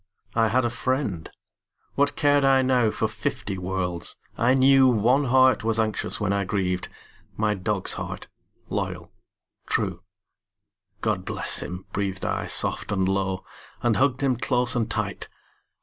I had a friend; what cared I now For fifty worlds? I knew One heart was anxious when I grieved My dog's heart, loyal, true. "God bless him," breathed I soft and low, And hugged him close and tight.